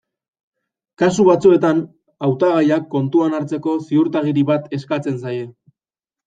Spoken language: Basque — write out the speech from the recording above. Kasu batzuetan, hautagaiak kontuan hartzeko ziurtagiri bat eskatzen zaie.